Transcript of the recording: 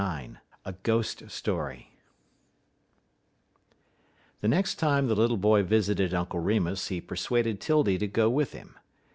XXIX A GHOST STORY The next time the little boy visited Uncle Remus he persuaded 'Tildy to go with him.